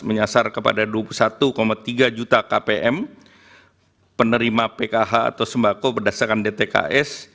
menyasar kepada dua puluh satu tiga juta kpm penerima pkh atau sembako berdasarkan dtks